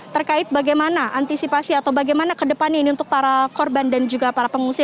terkait bagaimana antisipasi atau bagaimana ke depannya ini untuk para korban dan juga para pengungsi